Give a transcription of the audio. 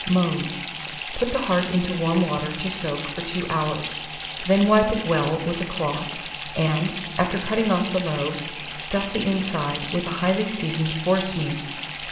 Mode. Put the heart into warm water to soak for 2 hours; then wipe it well with a cloth, and, after cutting off the lobes, stuff the inside with a highly seasoned forcemeat (No.